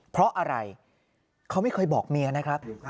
เพราะอะไรเขาไม่เคยบอกเมียนะครับ